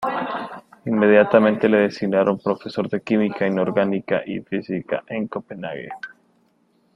Inmediatamente le designaron profesor de Química inorgánica y Física en Copenhague.